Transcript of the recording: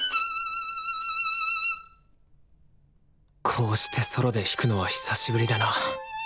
こうしてソロで弾くのは久しぶりだな。